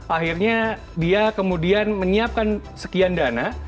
akhirnya dia kemudian menyiapkan sekian dana